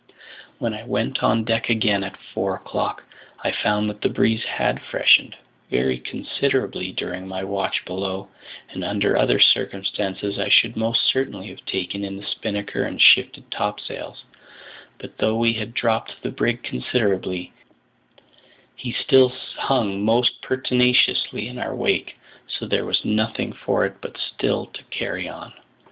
When I went on deck again at four o'clock I found that the breeze had freshened very considerably during my watch below, and under other circumstances I should most certainly have taken in the spinnaker and shifted topsails; but though we had dropped the brig considerably, he still hung most pertinaciously in our wake, so there was nothing for it but still to carry on.